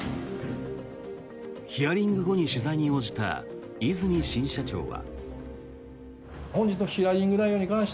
ヒアリング後に取材に応じた和泉新社長は。